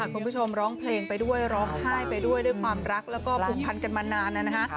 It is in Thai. คุณผู้ชมร้องเพลงไปด้วยร้องไห้ไปด้วยด้วยความรักแล้วก็ผูกพันกันมานานนะฮะ